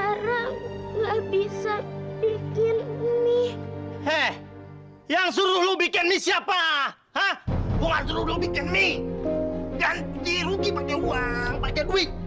bikin nih eh yang suruh bikin nih siapa hah gua dulu bikin nih ganti rugi pake uang pake duit